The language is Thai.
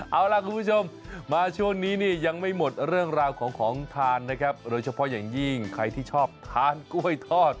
เอาล่ะคุณผู้ชมมาช่วงนี้นี่ยังไม่หมดเรื่องราวของของทานนะครับโดยเฉพาะอย่างยิ่งใครที่ชอบทานกล้วยทอด